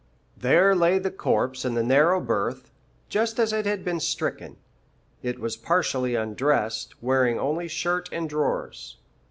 There lay the corpse in the narrow berth, just as it had been stricken. It was partially undressed, wearing only shirt and drawers.